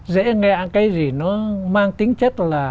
dễ nghe cái gì nó mang tính chất là